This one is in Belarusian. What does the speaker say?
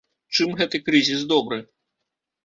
Чым гэты крызіс добры?